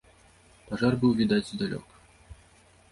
Пажар быў відаць здалёк.